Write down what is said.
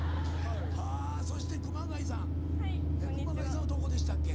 はぁそして熊谷さん熊谷さんはどこでしたっけ？